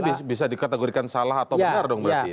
tapi bisa dikategorikan salah atau benar dong berarti ya